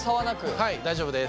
はい大丈夫です。